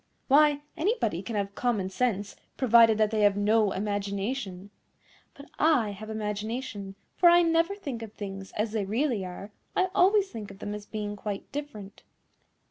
Why, anybody can have common sense, provided that they have no imagination. But I have imagination, for I never think of things as they really are; I always think of them as being quite different.